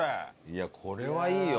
いやこれはいいよ。